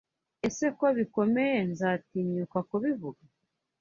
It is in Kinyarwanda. Ee ko bikomeye nzatinyuka kubivuga?